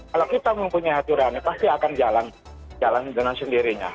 kalau kita mempunyai aturan pasti akan jalan dengan sendirinya